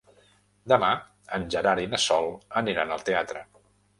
Demà en Gerard i na Sol aniran al teatre.